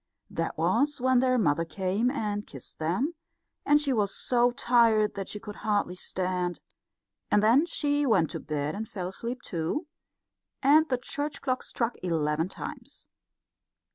That was when their mother came and kissed them, and she was so tired that she could hardly stand; and then she went to bed and fell asleep too, and the church clock struck eleven times.